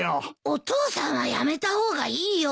お父さんはやめた方がいいよ。